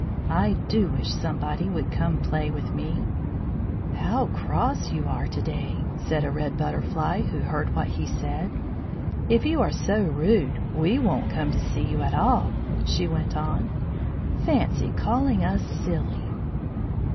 I do wish somebody would come and play with me." "How cross you are to day," said a Red Butterfly who heard what he said. "If you are so rude we won't come to see you at all," she went on. "Fancy calling us silly!"